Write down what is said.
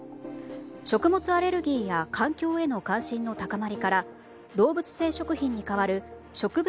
食物アレルギーや環境への関心の高まりから動物性食品に代わる植物